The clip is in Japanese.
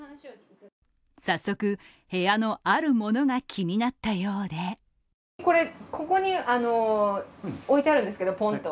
早速、部屋のあるものが気になったようでこれ、ここに置いてあるんですけど、ポンと。